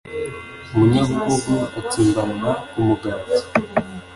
Umunyabugugu atsimbarara ku mugati,